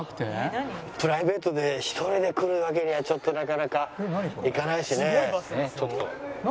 プライベートで１人で来るわけにはちょっとなかなかいかないしね。